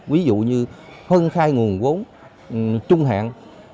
ví dụ như hơn hai nguồn vốn trung hạn